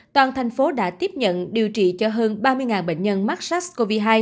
toàn thành phố đã tiếp nhận điều trị cho hơn ba mươi bệnh nhân mắc sars cov hai